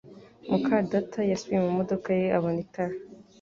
muka data yasubiye mu modoka ye abona itara